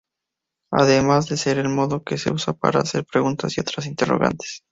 Además de ser el modo que se usa para hacer preguntas y otras interrogantes.